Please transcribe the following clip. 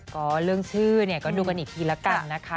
ก็เรื่องชื่อเนี่ยก็ดูกันอีกทีละกันนะคะ